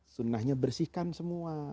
sunnahnya bersihkan semua